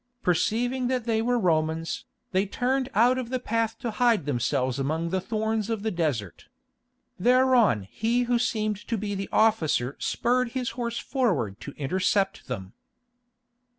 Perceiving that they were Romans, they turned out of the path to hide themselves among the thorns of the desert. Thereon he who seemed to be the officer spurred his horse forward to intercept them.